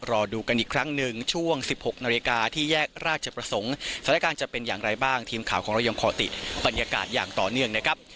รอดูกันอีกครั้งหนึ่งช่วง๑๖นาฬิกาที่แยกราชประสงค์สถานการณ์จะเป็นอย่างไรบ้างทีมข่าวของเรายังขอติดบรรยากาศอย่างต่อเนื่องนะครับ